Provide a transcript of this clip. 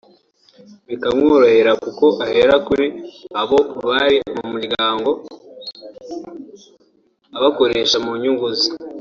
bikamworohera kuko ahera kuri abo bari mu muryango akabakoresha mu nyungu ze